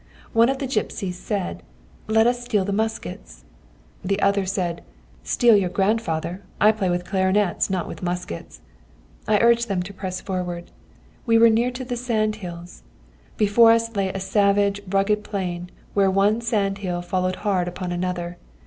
One of the gipsies said: 'Let us steal the muskets!' The other said: 'Steal your grandfather; I play with clarinets, not with muskets.' I urged them to press forward. We were near to the sand hills. Before us lay a savage, rugged plain, where one sand hill followed hard upon another.